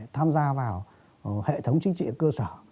tham gia vào hệ thống chính trị cơ sở